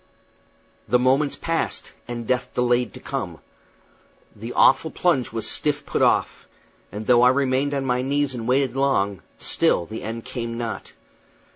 The moments passed, and death delayed to come. The awful plunge was still put off; and though I remained on my knees and waited long, still the end came not.